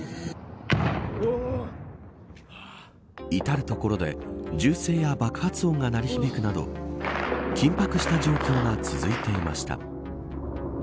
至る所で銃声や爆発音が鳴り響くなど緊迫した状況が続いていました。